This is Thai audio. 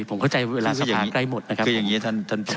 ผมเข้าใจเวลาสะพานใกล้หมดนะครับ